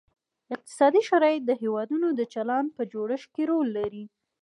اقتصادي شرایط د هیوادونو د چلند په جوړښت کې رول لري